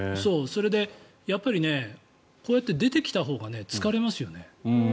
それでやっぱりこうやって出てきたほうが疲れますよね。